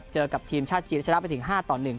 เจอกับทีมชาติจีนและชนะไปถึง๕๑